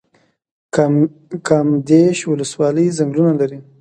کامدیش ولسوالۍ ځنګلونه لري؟